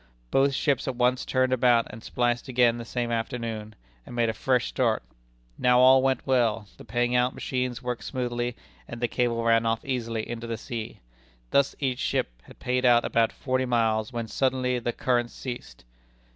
Both ships at once turned about and spliced again the same afternoon, and made a fresh start. Now all went well. The paying out machines worked smoothly, and the cable ran off easily into the sea. Thus each ship had paid out about forty miles when suddenly the current ceased!